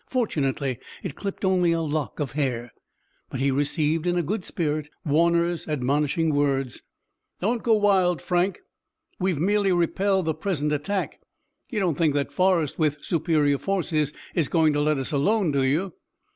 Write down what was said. Fortunately, it clipped only a lock of hair, but he received in a good spirit Warner's admonishing words: "Don't go wild, Frank. We've merely repelled the present attack. You don't think that Forrest with superior forces is going to let us alone, do you?"